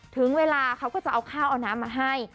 ถึงเวลาเขาก็จะเอาข้าวเอาน้ำมาให้